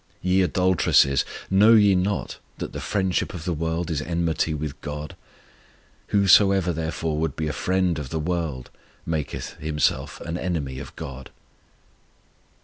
"Ye adulteresses, know ye not that the friendship of the world is enmity with GOD? Whosoever therefore would be a friend of the world maketh himself an enemy of GOD."